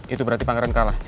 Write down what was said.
itu berarti pangeran kalah